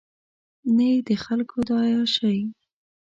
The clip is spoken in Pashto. نه یې د خلکو دا عیاشۍ.